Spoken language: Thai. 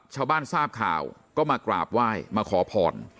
ชาวบ้านทราบข่าวก็มากราบไหว้มาขอพร